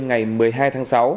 ngày một mươi hai tháng sáu